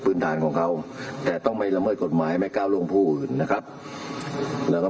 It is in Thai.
มีศาสตราจารย์พิเศษวิชามหาคุณเป็นประเทศด้านกรวมความวิทยาลัยธรม